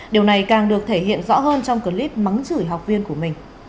điều này càng được thể hiện rõ hơn trong clip mắng chửi học viên của mình